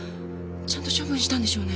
ちゃんと処分したんでしょうね？